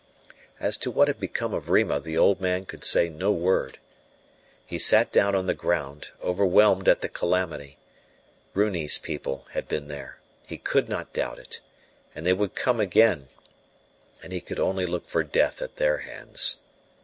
As to what had become of Rima the old man could say no word. He sat down on the ground overwhelmed at the calamity: Runi's people had been there, he could not doubt it, and they would come again, and he could only look for death at their hands.